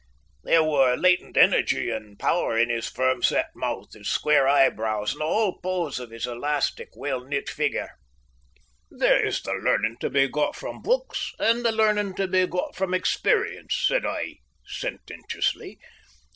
There were latent energy and power in his firm set mouth, his square eyebrows, and the whole pose of his elastic, well knit figure. "There is the learning to be got from books and the learning to be got from experience," said I sententiously.